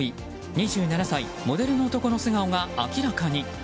２７歳、モデルの男の素顔が明らかに。